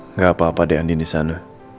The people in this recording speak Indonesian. nggak apa apa deh andi di sana